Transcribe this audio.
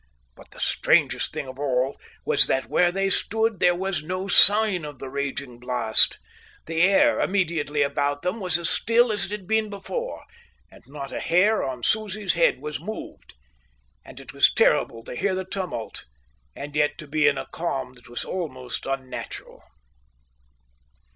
But the strangest thing of all was that, where they stood, there was no sign of the raging blast. The air immediately about them was as still as it had been before, and not a hair on Susie's head was moved. And it was terrible to hear the tumult, and yet to be in a calm that was almost unnatural.